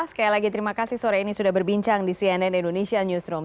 sekali lagi terima kasih sore ini sudah berbincang di cnn indonesia newsroom